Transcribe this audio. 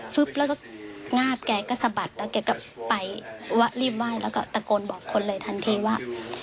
แล้วก็งาบแกก็สะบัดแล้วแกก็ไปรีบไหว้แล้วก็ตะโกนบอกคนเลยทันทีว่า